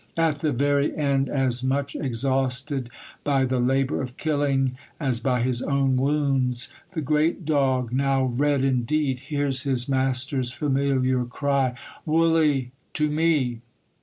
At the very end, as much exhausted by the labour of killing as by his own wounds, the great dog now red indeed hears his master's familiar cry, "Wullie, to me!"